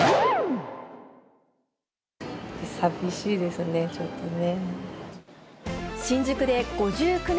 さみしいですね、ちょっとね。